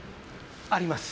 あります。